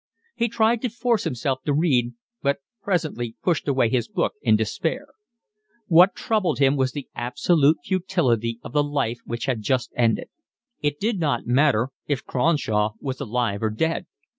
He tried to force himself to read, but presently pushed away his book in despair. What troubled him was the absolute futility of the life which had just ended. It did not matter if Cronshaw was alive or dead.